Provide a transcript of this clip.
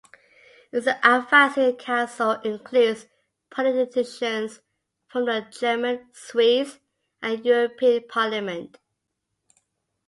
Its Advisory Council includes politicians from the German, Swiss and European Parliament.